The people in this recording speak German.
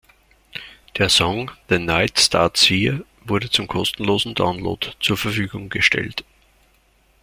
Der Song "The Night Starts Here" wurde zum kostenlosen Download zur Verfügung gestellt.